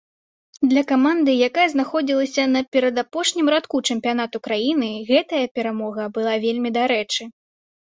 Для каманды, якая знаходзілася на перадапошнім радку чэмпіянату краіны, гэтая перамога была вельмі дарэчы.